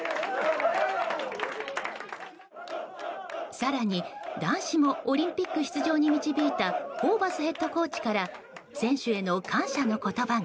更に男子もオリンピック出場に導いたホーバスヘッドコーチから選手への感謝の言葉が。